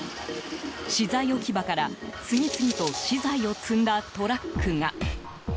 資材置き場から次々と資材を積んだトラックが。